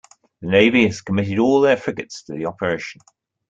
The Navy has committed all their frigates to the operation.